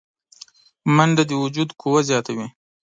منډه د وجود قوه زیاتوي